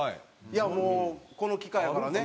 いやもうこの機会やからね。